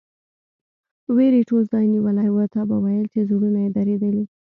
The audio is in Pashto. وېرې ټول ځای نیولی و، تا به ویل چې زړونه یې درېدلي.